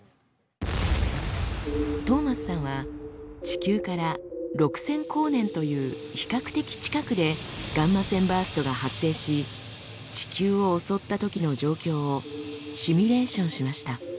トーマスさんは地球から６，０００光年という比較的近くでガンマ線バーストが発生し地球を襲ったときの状況をシミュレーションしました。